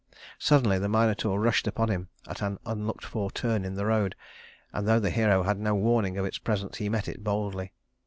Suddenly the Minotaur rushed upon him at an unlooked for turn in the road, and though the hero had no warning of its presence he met it boldly.